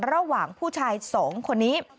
ระหว่างผู้ชาย๒คนนี้